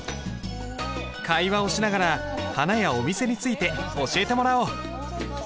会話をしながら花やお店について教えてもらおう。